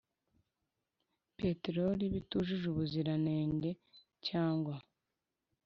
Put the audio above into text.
Peteroli Bitujuje Ubuziranenge Cyangwa